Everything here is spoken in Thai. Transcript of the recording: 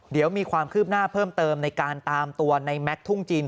เดี๋ยวมีความคืบหน้าเพิ่มเติมในการตามตัวในแม็กซ์ทุ่งจีน